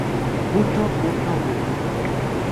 Mucho, mucho, mucho.